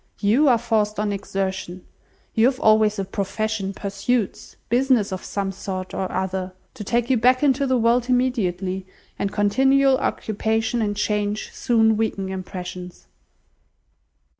You are forced on exertion. You have always a profession, pursuits, business of some sort or other, to take you back into the world immediately, and continual occupation and change soon weaken impressions."